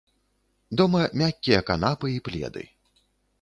Дома мяккія канапы і пледы.